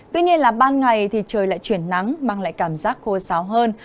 tuy nhiên là ban ngày thì trời lại chuyển nắng mang lại cảm giác khô sáo hơn